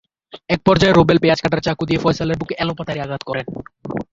একপর্যায়ে রুবেল পেঁয়াজ কাটার চাকু দিয়ে ফয়সালের বুকে এলোপাতাড়ি আঘাত করেন।